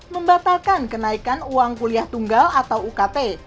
membatalkan kenaikan uang kuliah tunggal atau ukt